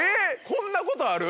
こんなことある？